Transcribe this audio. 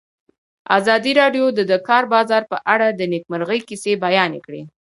ازادي راډیو د د کار بازار په اړه د نېکمرغۍ کیسې بیان کړې.